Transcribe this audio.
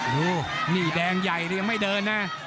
ดูมีแดงใหญ่ยังไม่เดินนะ